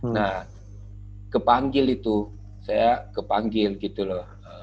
nah kepanggil itu saya kepanggil gitu loh